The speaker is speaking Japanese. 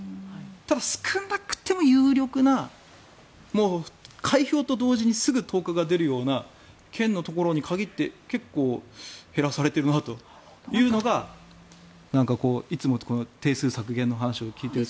ただ、少なくとも有力な開票と同時にすぐ当確が出るような県のところに限って結構減らされているなというのがいつも定数削減の話を聞いていると。